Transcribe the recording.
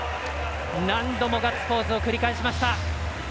何度もガッツポーズを繰り返しました。